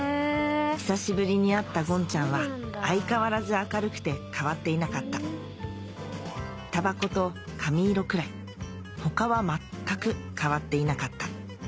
久しぶりに会ったごんちゃんは相変わらず明るくて変わっていなかったタバコと髪色くらい他は全く変わっていなかった